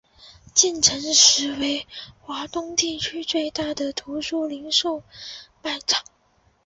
建成时为华东地区最大的图书零售卖场。